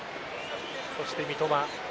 そして三笘。